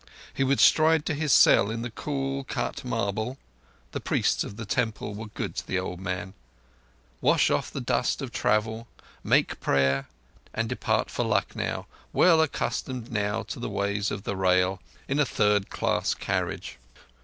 He would stride to his cell in the cool, cut marble—the priests of the Temple were good to the old man,—wash off the dust of travel, make prayer, and depart for Lucknow, well accustomed now to the way of the rail, in a third class carriage.